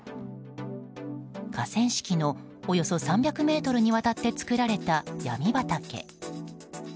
河川敷のおよそ３００ｍにわたって作られたヤミ畑。